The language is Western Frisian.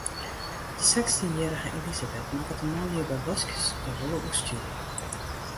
De sechstjinjierrige Elisabeth makket de manlju by boskjes de holle oerstjoer.